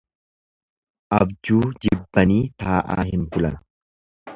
Abjuu jibbanii taa'aa hin bulan.